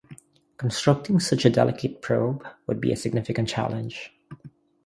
Constructing such a delicate probe would be a significant challenge.